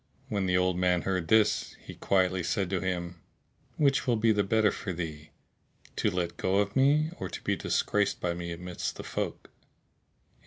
When the old man heard this, he quietly said to him, "Which will be the better for thee, to let go of me or to be disgraced by me amidst the folk?"